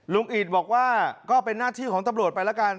อีดบอกว่าก็เป็นหน้าที่ของตำรวจไปแล้วกัน